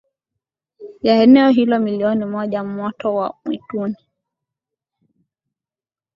ya eneo hilo milioni moja Moto wa mwituni